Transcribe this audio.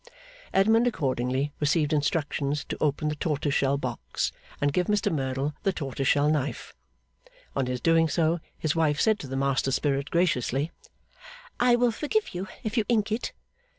Edmund accordingly received instructions to open the tortoise shell box, and give Mr Merdle the tortoise shell knife. On his doing so, his wife said to the master spirit graciously: 'I will forgive you, if you ink it.